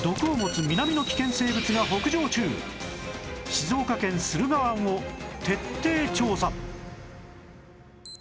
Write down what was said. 静岡県駿河湾を徹底調査